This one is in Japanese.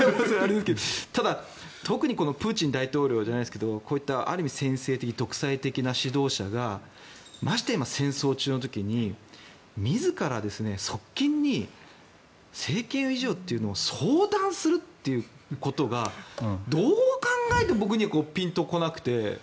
ただ、特にプーチン大統領じゃないですけどこういったある意味、専制的独裁的な指導者がましてや今、戦争中の時に自ら側近に政権移譲を相談するということがどう考えても僕にはピンと来なくて。